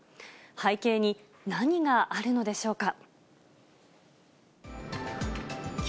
背景に何があるのでしょうか。